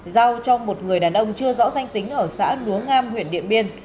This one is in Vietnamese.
giao cho một người đàn ông chưa rõ danh tính ở xã núa ngam huyện điện biên